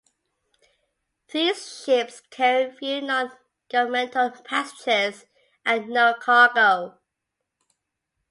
These ships carried few non-governmental passengers and no cargo.